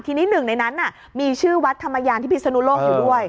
ทีนี้หนึ่งในนั้นมีชื่อวัดธรรมยานที่พิศนุโลกอยู่ด้วย